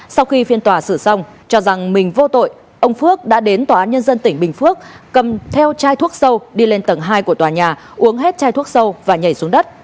sau khi phiên tòa xử xong cho rằng mình vô tội ông phước đã đến tòa án nhân dân tỉnh bình phước cầm theo chai thuốc sâu đi lên tầng hai của tòa nhà uống hết chai thuốc sâu và nhảy xuống đất